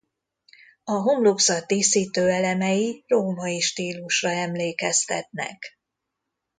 A homlokzat díszítőelemei római stílusra emlékeztetnek.